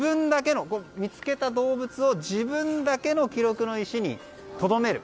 見つけた動物を自分だけの記録の石にとどめる。